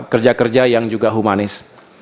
kerja kerja yang juga humanis